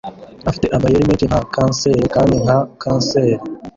ifite amayeri nka kanseri kandi nka kanseri